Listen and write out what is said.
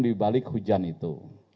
di balik hujan itu